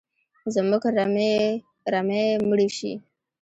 زموږ رمې مړي شي